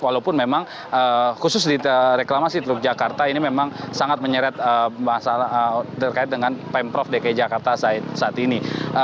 walaupun memang khusus di reklamasi teluk jakarta ini memang sangat menyeret terkait dengan pemprov dki jakarta saat ini